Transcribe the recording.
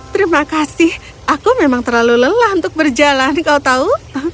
terima kasih aku memang terlalu lelah untuk berjalan kau tahu